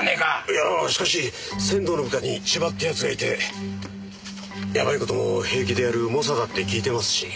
いやしかし仙道の部下に千葉って奴がいてやばい事も平気でやる猛者だって聞いてますし。